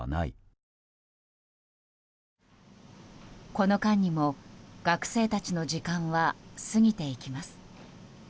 この間にも、学生たちの時間は過ぎていきます。